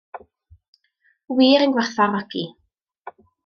Wir yn gwerthfawrogi.